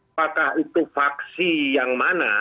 apakah itu faksi yang mana